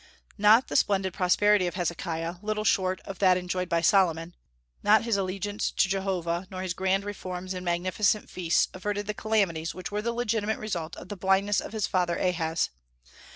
Not the splendid prosperity of Hezekiah, little short of that enjoyed by Solomon, not his allegiance to Jehovah, nor his grand reforms and magnificent feasts averted the calamities which were the legitimate result of the blindness of his father Ahaz.